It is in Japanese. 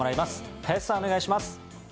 林さん、お願いします。